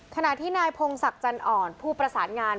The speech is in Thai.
ขณะที่นายพงศักดิ์จันอ่อนผู้ประสานงาน